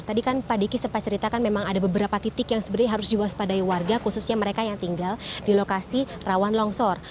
tadi kan pak diki sempat ceritakan memang ada beberapa titik yang sebenarnya harus diwaspadai warga khususnya mereka yang tinggal di lokasi rawan longsor